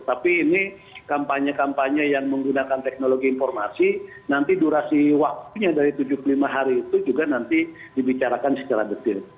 tapi ini kampanye kampanye yang menggunakan teknologi informasi nanti durasi waktunya dari tujuh puluh lima hari itu juga nanti dibicarakan secara detail